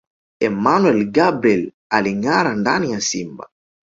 Emmanuel Gabriel Alingâara ndani ya Simba